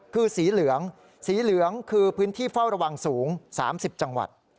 คือสีเหลืองสีเหลืองคือพื้นที่เฝ้าระวังสูง๓๐จังหวัด